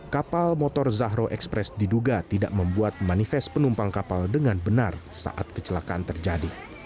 kapal motor zahro express diduga tidak membuat manifest penumpang kapal dengan benar saat kecelakaan terjadi